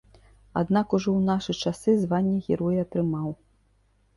Аднак ужо ў нашы часы звання героя атрымаў.